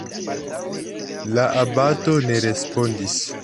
La abato ne respondis.